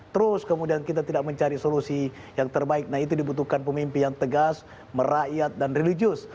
terus kemudian kita tidak mencari solusi yang terbaik nah itu dibutuhkan pemimpin yang tegas merakyat dan religius